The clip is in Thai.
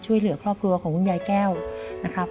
ช่วยเหลือครอบครัวของคุณยายแก้วนะครับ